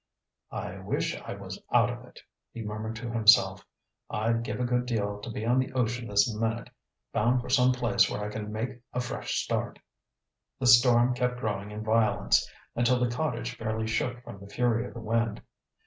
"I wish I was out of it," he murmured to himself. "I'd give a good deal to be on the ocean this minute, bound for some place where I can make a fresh start." The storm kept growing in violence until the cottage fairly shook from the fury of the wind.